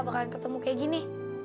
bakal ketemu kayak gini